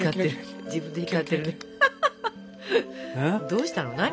どうしたの？